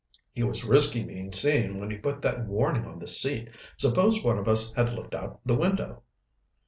"He was risking being seen when he put that warning on the seat. Suppose one of us had looked out the window?"